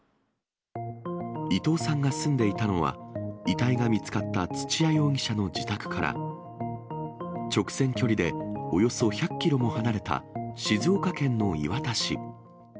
伊藤さんが住んでいたのは、遺体が見つかった土屋容疑者の自宅から、直線距離でおよそ１００キロも離れた静岡県の磐田市。